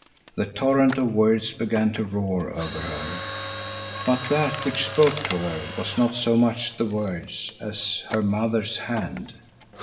The torrent of words began to roar over her. But that which spoke to her was not so much the words as her mother's hand.